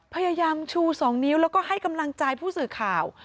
พยายามชู๒นิ้วแล้วก็ให้กำลังใจผู้สื่อข่าว